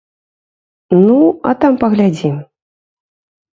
Ну, а там паглядзім!